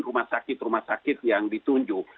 rumah sakit rumah sakit yang ditunjuk